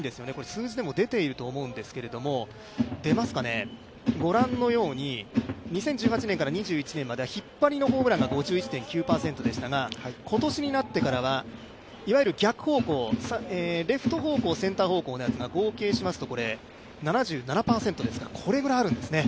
数字でも出ていると思うんですけども、２０１８年から２１年までは引っ張りのホームランが５１．９％でしたが、今年になってからは逆方向、レフト方向、センター方向のやつが合計しますと７７％、これぐらいあるんですね。